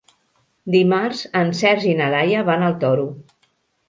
Dimarts en Sergi i na Laia van al Toro.